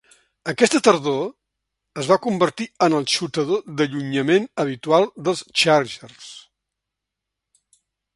Aquesta tardor, es va convertir en el xutador d'allunyament habitual dels Chargers.